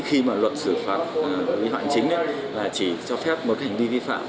khi mà luật xử phạt vi phạm chính là chỉ cho phép một hành vi vi phạm